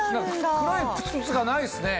黒いプツプツがないですね。